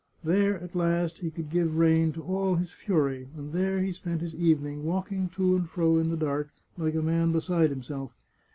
There, at last, he could give rein to all his fury, and there he spent his evening, walking to and fro in the dark, like a man beside himself.